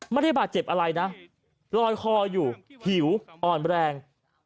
ไม่ได้บาดเจ็บอะไรนะลอยคออยู่หิวอ่อนแรง